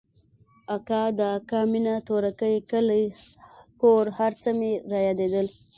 اکا د اکا مينه تورکى کلى کور هرڅه مې رايادېدل.